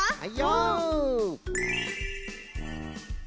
はい！